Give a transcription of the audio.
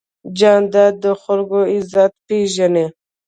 جانداد د خلکو عزت پېژني.